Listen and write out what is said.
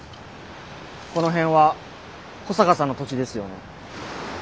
この辺は保坂さんの土地ですよね。